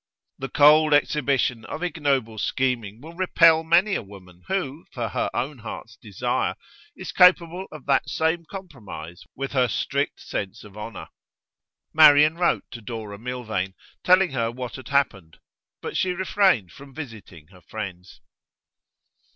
The cold exhibition of ignoble scheming will repel many a woman who, for her own heart's desire, is capable of that same compromise with her strict sense of honour. Marian wrote to Dora Milvain, telling her what had happened. But she refrained from visiting her friends.